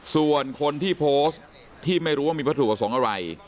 ส่วนคนที่โพสต์ที่ไม่รู้ว่ามีวัตถุประสงค์อะไร